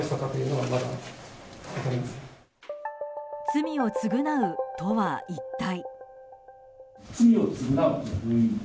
罪を償うとは一体。